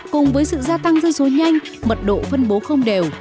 cùng với sự gia tăng dân số nhanh mật độ phân bố không đều